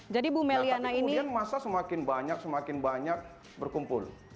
tapi kemudian masa semakin banyak semakin banyak berkumpul